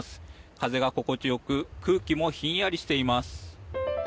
風が心地よく空気もひんやりしています。